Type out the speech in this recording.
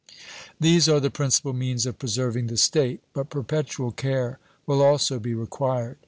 These are the principal means of preserving the state, but perpetual care will also be required.